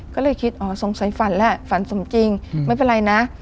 ก็เลยคิดอ๋อสงสัยฝันแหละฝันสมจริงไม่เป็นไรนะ